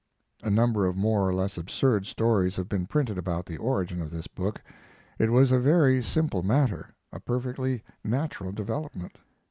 A number of more or less absurd stories have been printed about the origin of this book. It was a very simple matter, a perfectly natural development.